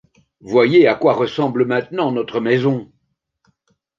Voyez à quoi ressemble maintenant notre maison!